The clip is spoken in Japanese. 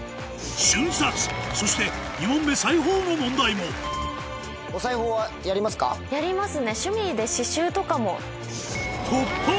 瞬殺そして２問目裁縫の問題も突破！